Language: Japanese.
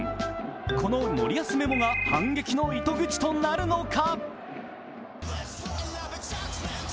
この森保メモが反撃の糸口となるのか。